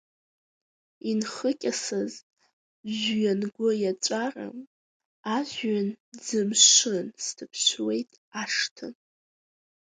Инхыкьасаз жәҩангәы иаҵәара, ажәҩан ӡы-мшын сҭаԥшуеит ашҭа.